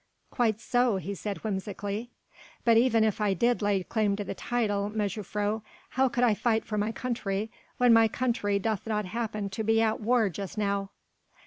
"Quite so," he said whimsically. "But even if I did lay claim to the title, mejuffrouw, how could I fight for my country when my country doth not happen to be at war just now."